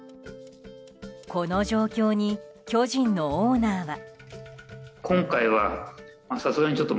この状況に巨人のオーナーは。